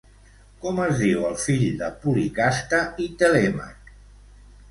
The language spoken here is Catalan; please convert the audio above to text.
Com es diu el fill de Policasta i Telèmac?